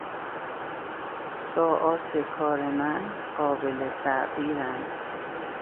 ساعات کار من قابل تغییراند.